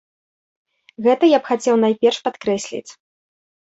Гэта я б хацеў найперш падкрэсліць.